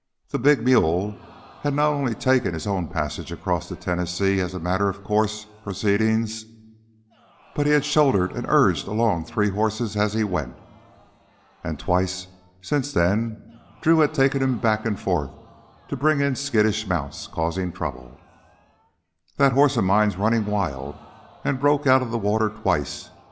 The big mule had not only taken his own passage across the Tennessee as a matter of course proceeding, but had shouldered and urged along three horses as he went. And twice since then Drew had taken him back and forth to bring in skittish mounts causing trouble. "That horse of mine's running wild; he broke out of the water twice."